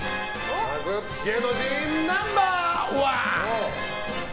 芸能人ナンバー１。